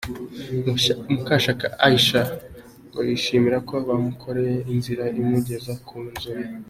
Mukashyaka Aisha ngo yishimira ko bamukoreye inzira imugeza ku nzu ye.